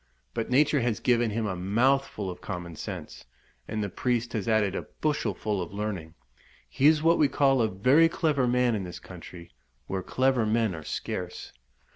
But nature has given him a mouthful of common sense, and the priest has added a bushelful of learning; he is what we call a very clever man in this country, where clever men are scarce.